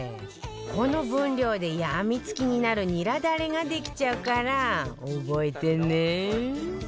この分量で病み付きになるニラだれができちゃうから覚えてね